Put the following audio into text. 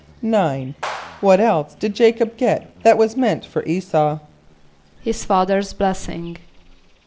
= =9.= What else did J[=a]´cob get that was meant for [=E]´s[a:]u? =His father's blessing.